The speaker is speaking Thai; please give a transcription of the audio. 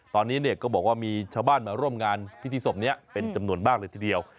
ตอนนี้เนี่ยก็บอกว่ามีชาวบ้านมาร่วมงานพิธีศพนี้เป็นจำนวนมากเลยทีเดียว